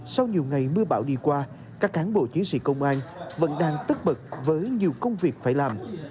sau nhiều ngày mưa bão đi qua các cán bộ chiến sĩ công an vẫn đang tất bật với nhiều công việc phải làm